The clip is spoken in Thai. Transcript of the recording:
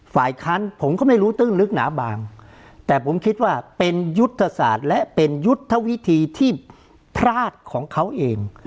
ฝ่ายค้านผมก็ไม่รู้ตื้นลึกหนาบางแต่ผมคิดว่าเป็นยุทธศาสตร์และเป็นยุทธวิธีที่พลาดของเขาเอง